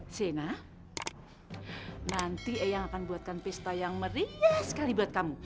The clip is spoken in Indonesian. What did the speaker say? sina nanti eyang akan buatkan pesta yang meriah sekali buat kamu